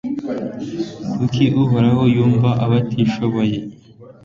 Kuko Uhoraho yumva abatishoboye